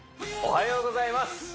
おはようございます